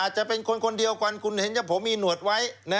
อาจจะเป็นคนเดียวกว่าคุณเห็นท่ีด้วยผมมีหนวดไว้